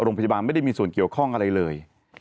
โรงพยาบาลไม่ได้มีส่วนเกี่ยวข้องอะไรเลย